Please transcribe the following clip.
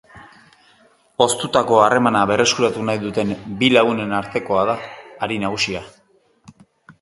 Hoztutako harremana berreskuratu nahi duten bi lagunen artekoa da hari nagusia.